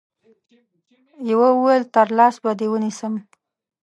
يوه ويل تر لاس به دي ونيسم